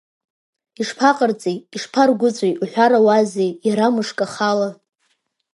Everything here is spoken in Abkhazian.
Ишԥаҟарҵеи, ишԥаргәыҵәи, уҳәарауазеи, иарамышкахала!